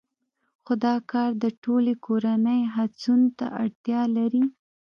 خو دا کار د ټولې کورنۍ هڅو ته اړتیا لري